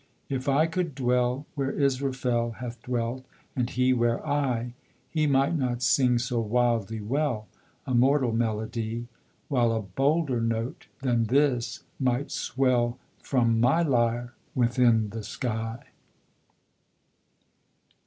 If I could dwell Where Israfel Hath dwelt, and he where I, He might not sing so wildly well A mortal melody, While a bolder note than this might swell From my lyre within the sky.